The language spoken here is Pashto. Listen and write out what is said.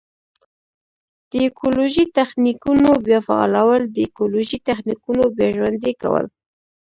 د ایکولوژیکي تخنیکونو بیا فعالول: د ایکولوژیکي تخنیکونو بیا ژوندي کول.